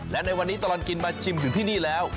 และในวันนี้ตลอดกินมาชิมอยู่ที่นี่แล้ว